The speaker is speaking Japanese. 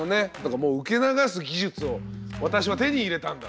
もう受け流す技術を私は手に入れたんだという。